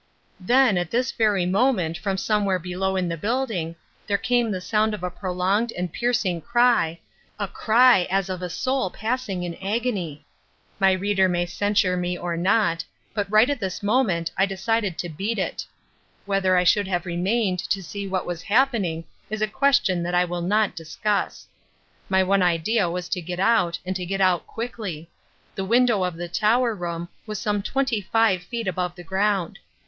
Then at this very moment from somewhere below in the building there came the sound of a prolonged and piercing cry, a cry as of a soul passing in agony. My reader may censure me or not, but right at this moment I decided to beat it. Whether I should have remained to see what was happening is a question that I will not discuss. My one idea was to get out, and to get out quickly. The window of the tower room was some twenty five feet above the ground.